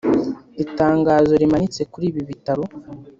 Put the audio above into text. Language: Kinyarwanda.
Itangazo rimanitse kuri ibi bitaro